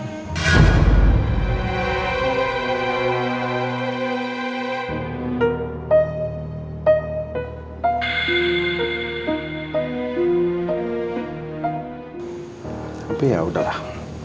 tapi yaudah lah